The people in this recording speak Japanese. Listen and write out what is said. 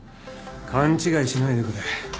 勘違いしないでくれ。